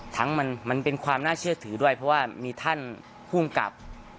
มันเป็นความน่าเชื่อถือด้วยเพราะว่ามีท่านภูมิกับ